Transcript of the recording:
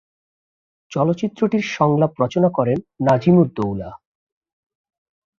চলচ্চিত্রটির সংলাপ রচনা করেন নাজিম-উদ-দৌলা।